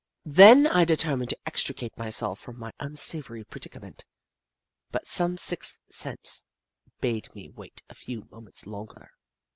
Then I determined to extricate myself from my un savoury predicament, but some sixth sense bade me wait a few moments longrer.